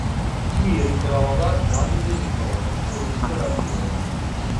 Qui ritrova Davide Nicola, suo mister al Livorno.